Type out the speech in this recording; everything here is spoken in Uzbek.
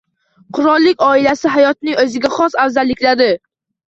Qirollik oilasi hayotining o‘ziga xos afzalliklari